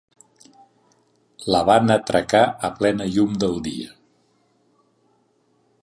La van atracar a plena llum del dia.